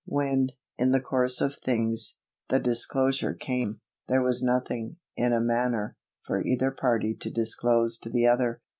When, in the course of things, the disclosure came, there was nothing, in a manner, for either party to disclose to the other.